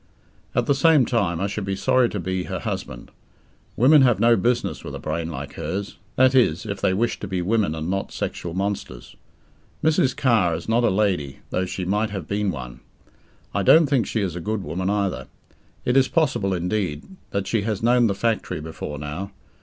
At the same time, I should be sorry to be her husband. Women have no business with a brain like hers that is, if they wish to be women and not sexual monsters. Mrs. Carr is not a lady, though she might have been one. I don't think she is a good woman either. It is possible, indeed, that she has known the factory before now.